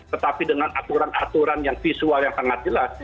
tetapi dengan aturan aturan yang visual yang sangat jelas